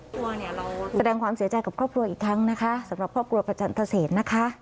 ตัวเนี่ยเราแสดงความเสียใจกับครอบครัวอีกครั้งนะคะสำหรับครอบครัวประจันทเศษนะคะ